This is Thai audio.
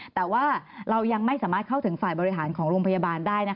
แต่ว่าเรายังไม่สามารถเข้าถึงฝ่ายบริหารของโรงพยาบาลได้